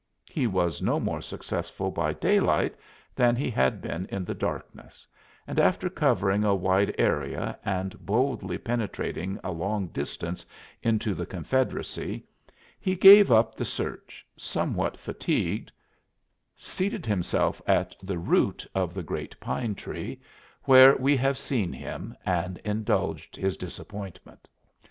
He was no more successful by daylight than he had been in the darkness, and after covering a wide area and boldly penetrating a long distance into "the Confederacy" he gave up the search, somewhat fatigued, seated himself at the root of the great pine tree, where we have seen him, and indulged his disappointment.